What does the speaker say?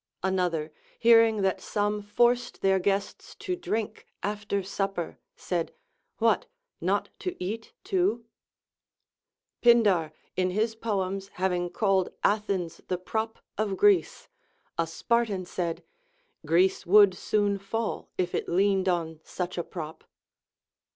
Another, hearing that some forced their guests to drink after supper, said, What ! not to eat too ? Pindar in his poems having called Athens the prop of Greece, a Spartan said, Greece would soon fall if it leaned on such a prop.